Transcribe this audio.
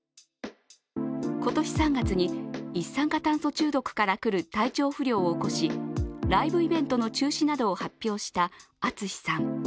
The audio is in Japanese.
今年３月に一酸化炭素中毒からくる体調不良を起こしライブイベントの中止などを発表したＡＴＳＵＳＨＩさん。